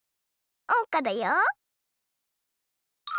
おうかだよ。